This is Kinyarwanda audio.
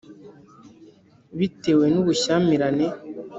bitewe n ubushyamirane